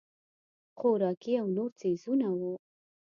خوراکي او نور څیزونه وو.